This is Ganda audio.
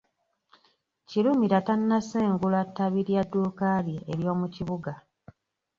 Kirumira tannasengula ttabi lya dduuka lye ery’omu kibuga.